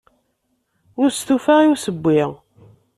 Ur stufaɣ i usewwi.